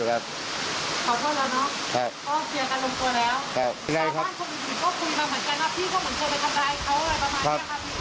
พี่เขาบ้านสมมติก็คุยกันเหมือนกันนะพี่เขาเหมือนเคยไปทำร้ายเขาอะไรประมาณนี้ครับ